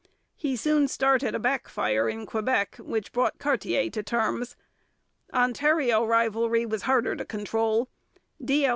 He soon started a backfire in Quebec which brought Cartier to terms. Ontario rivalry was harder to control: D. L.